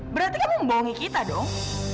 berarti kamu membohongi kita dong